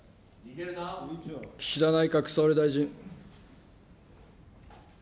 岸田内閣総理大臣。